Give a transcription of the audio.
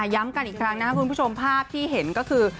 ย้ำกันอีกครั้งนะครับคุณผู้ชมภาพที่เห็นก็คือ